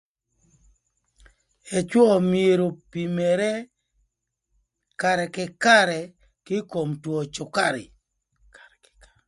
Ecö myero opimere karë kï karë kï kom twö cukari